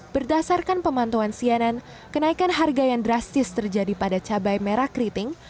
berdasarkan pemantauan cnn kenaikan harga yang drastis terjadi pada cabai merah keriting